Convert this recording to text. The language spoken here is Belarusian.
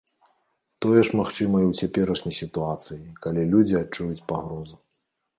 Тое ж магчыма і ў цяперашняй сітуацыі, калі людзі адчуюць пагрозу.